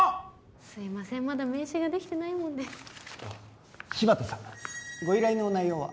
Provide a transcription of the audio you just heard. すいませんまだ名刺ができてないもんで柴田さんご依頼の内容は？